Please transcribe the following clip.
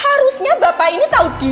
harusnya bapak ini tau diri ya